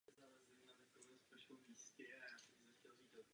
Mohu je poskytovat donekonečna?